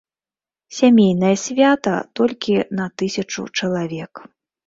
Сямейнае свята, толькі на тысячу чалавек.